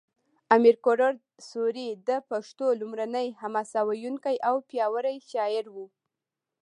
امیر کروړ سوري د پښتو لومړنی حماسه ویونکی او پیاوړی شاعر و